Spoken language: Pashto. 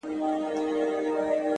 • ستوري ډېوه سي ـهوا خوره سي ـ